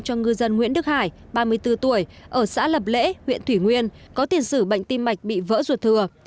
cho ngư dân nguyễn đức hải ba mươi bốn tuổi ở xã lập lễ huyện thủy nguyên có tiền sử bệnh tim mạch bị vỡ ruột thừa